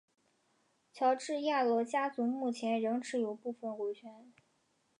乔治亚罗家族目前仍持有部份股权。